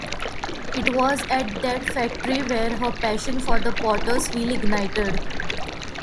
It was at that factory where her passion for the potter's wheel ignited.